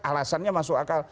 alasannya masuk akal